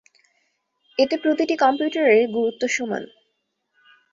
এতে প্রতিটি কম্পিউটারের গুরুত্ব সমান।